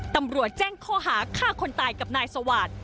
ตำรวจแจ้งข้อหาฆ่าคนตายกับนายสวาสตร์